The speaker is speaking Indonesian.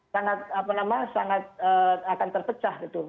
sangat apa nama sangat akan terpecah gitu